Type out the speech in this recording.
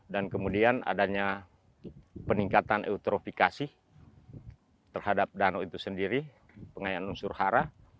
kemudian adanya peningkatan eutropifikasi terhadap danau itu sendiri pengayaan unsur hara